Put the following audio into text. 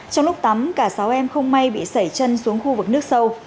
trong lúc tắm cả sáu em không may bị sẩy chân xuống khu vực nước sâu